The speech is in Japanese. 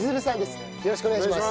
よろしくお願いします。